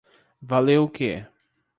Valeu o quê?